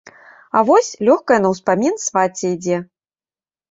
А вось, лёгкая на ўспамін, свацця ідзе.